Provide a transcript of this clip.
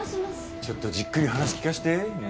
ちょっとじっくり話聞かしてねえ。